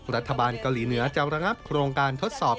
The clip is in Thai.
รัฐบาลเกาหลีเหนือจะระงับโครงการทดสอบ